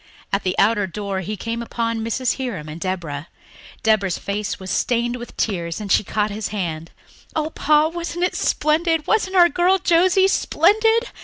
At the outer door he came upon Mrs. Hiram and Deborah. Deborah's face was stained with tears, and she caught at his hand. "Oh, Pa, wasn't it splendid wasn't our girl Josie splendid!